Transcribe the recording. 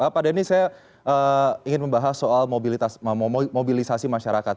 pak denny saya ingin membahas soal mobilisasi masyarakat